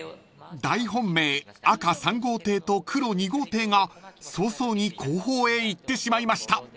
［大本命赤３号艇と黒２号艇が早々に後方へ行ってしまいました］